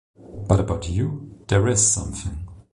But about you — there is something.